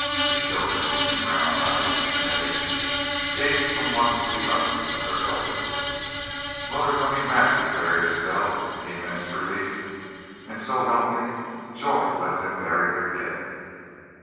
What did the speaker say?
The children, in round eyed dismay, gazed from one to the other of their elders. "Wal, they're comin' back," declared Isbel, in immense relief. "An' so help me Jorth let them bury their daid!"